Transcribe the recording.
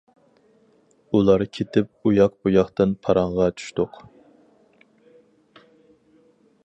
ئۇلار كېتىپ ئۇياق بۇياقتىن پاراڭغا چۈشتۇق.